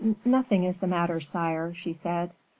"Nothing is the matter, sire," she said.